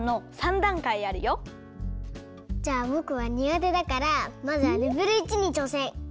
じゃあぼくはにがてだからまずはレベル１にちょうせん。